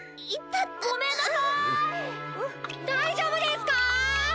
だいじょうぶですか？